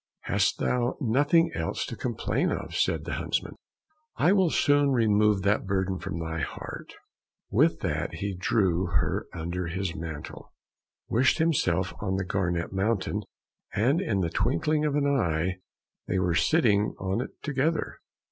"Hast thou nothing else to complain of?" said the huntsman. "I will soon remove that burden from thy heart." With that he drew her under his mantle, wished himself on the Garnet Mountain, and in the twinkling of an eye they were sitting on it together.